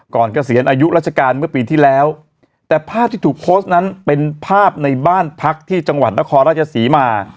เกษียณอายุราชการเมื่อปีที่แล้วแต่ภาพที่ถูกโพสต์นั้นเป็นภาพในบ้านพักที่จังหวัดนครราชศรีมา